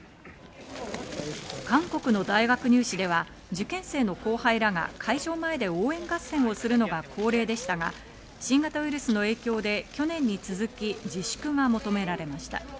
韓国の大学入試では受験生の後輩らが会場前で応援合戦をするのが恒例でしたが、新型ウイルスの影響で去年に続き自粛が求められました。